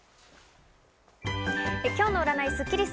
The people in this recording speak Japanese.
今日の占いスッキりす。